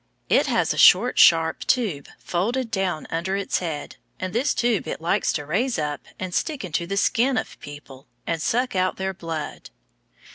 It has a short, sharp tube folded down under its head, and this tube it likes to raise up and stick into the skin of people, and suck out their blood.